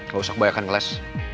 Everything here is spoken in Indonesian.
gak usah kebanyakan ngeles